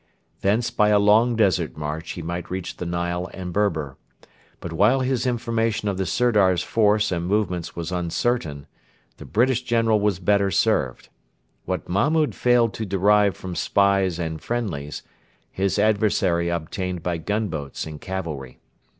Thence by a long desert march he might reach the Nile and Berber. But while his information of the Sirdar's force and movements was uncertain, the British General was better served. What Mahmud failed to derive from spies and 'friendlies,' his adversary obtained by gunboats and cavalry.